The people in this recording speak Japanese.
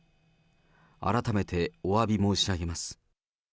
改めておわび申し上げます。